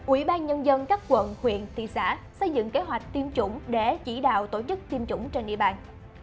ủy ban nhân dân các quận huyện thị xã xây dựng kế hoạch tiêm chủng để chỉ đạo tổ chức tiêm chủng trên địa bàn